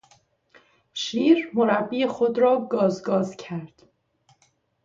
شیر مربی خود را گاز گاز کرد.